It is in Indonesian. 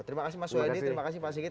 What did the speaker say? terima kasih mas wadid terima kasih mas sikit